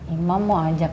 imam mau ajak